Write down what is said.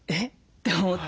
て思って。